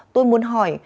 tôi muốn hỏi